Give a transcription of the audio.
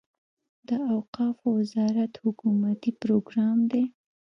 د اوقافو وزارت حکومتي پروګرام دی.